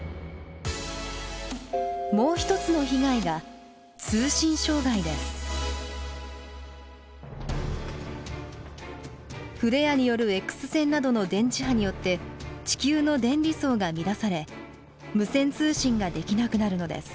もう一つの被害がフレアによるＸ線などの電磁波によって地球の電離層が乱され無線通信ができなくなるのです。